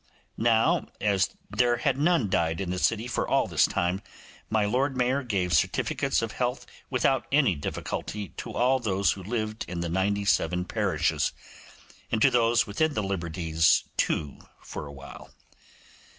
Now, as there had none died in the city for all this time, my Lord Mayor gave certificates of health without any difficulty to all those who lived in the ninety seven parishes, and to those within the liberties too for a while.